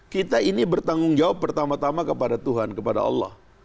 kita ini bertanggung jawab pertama tama kepada tuhan kepada allah